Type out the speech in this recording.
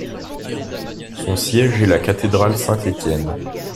Son siège est la cathédrale Saint-Étienne.